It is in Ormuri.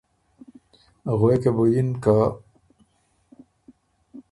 غوېکه بُو یِن که